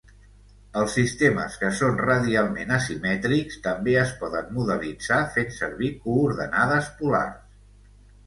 Els sistemes que són radialment asimètrics també es poden modelitzar fent servi coordenades polars.